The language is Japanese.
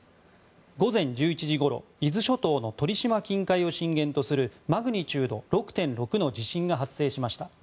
午前１１時ごろ伊豆諸島の鳥島近海を震源とするマグニチュード６．６の地震が発生しました。